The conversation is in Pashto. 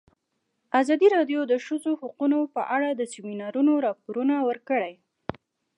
ازادي راډیو د د ښځو حقونه په اړه د سیمینارونو راپورونه ورکړي.